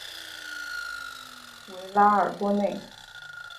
维拉尔多内。